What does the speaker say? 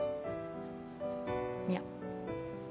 いや。